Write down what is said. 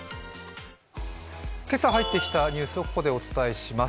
今朝入ってきたニュースをここでお伝えします。